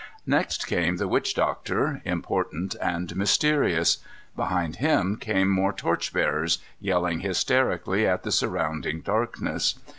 Next came the witch doctor, important and mysterious. Behind him came more torchbearers, yelling hysterically at the surrounding darkness.